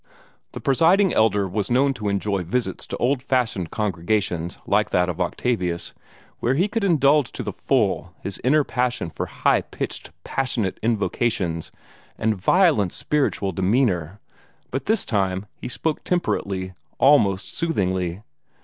The Presiding Elder was known to enjoy visits to old fashioned congregations like that of Octavius, where he could indulge to the full his inner passion for high pitched passionate invocations and violent spiritual demeanor, but this time he spoke temperately, almost soothingly.